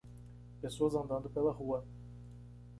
Pessoas andando pela rua.